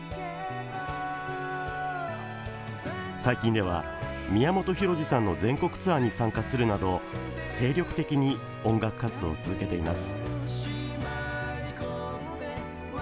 最近では宮本浩次さんの全国ツアーに参加するなど精力的に音楽活動を続けています。